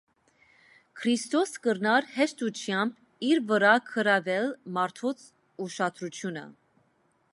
Քրիստոս կրնար հեշտութեամբ իր վրայ գրաւել մարդոց ուշադրութիւնը։